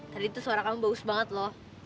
tadi tuh suara kamu bagus banget loh